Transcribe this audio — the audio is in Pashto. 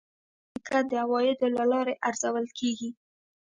هر شرکت د عوایدو له لارې ارزول کېږي.